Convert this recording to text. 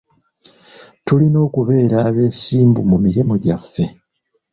Tulina okubeera abeesimbu mu mirimu gyaffe.